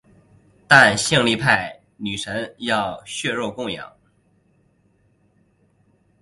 但性力派女神要血肉供养。